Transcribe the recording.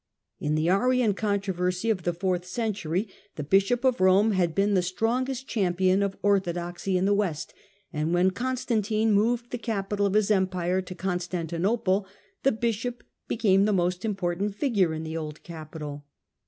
In the Arian controversy of the fourth century the bishop of Rome had been the strongest champion of orthodoxy in the west, and when Constantine moved the capital of his Empire to Con stantinople the bishop became the most important figure in the old capital.